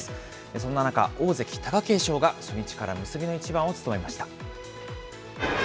そんな中、大関・貴景勝が初日から結びの一番を務めました。